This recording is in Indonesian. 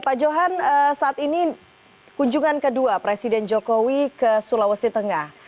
pak johan saat ini kunjungan kedua presiden jokowi ke sulawesi tengah